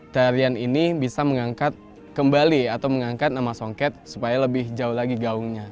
tarian ini bisa mengangkat kembali atau mengangkat nama songket supaya lebih jauh lagi gaungnya